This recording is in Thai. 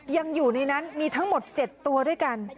ยังอยู่ในนั้นมีทั้งหมด๗ตัวด้วยกัน